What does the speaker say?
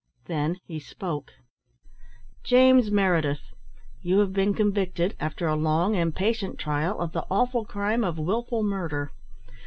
Then he spoke: "James Meredith, you have been convicted after a long and patient trial of the awful crime of wilful murder.